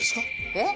えっ？